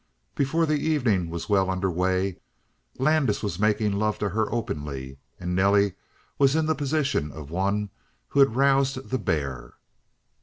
Before the evening was well under way, Landis was making love to her openly, and Nelly was in the position of one who had roused the bear.